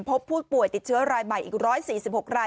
พบผู้ป่วยติดเชื้อรายใหม่อีก๑๔๖ราย